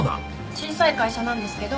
小さい会社なんですけど。